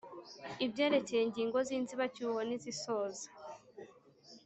Ibyerekeye ingingo z inzibacyuho n izisoza